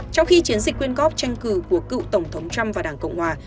trong khi chiến dịch quyên góp tranh cử của cựu tổng thống trump và đảng cộng hòa